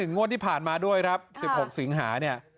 งวดที่ผ่านมาด้วยครับ๑๖สิงหาเนี่ย